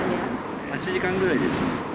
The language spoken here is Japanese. ８時間ぐらいです。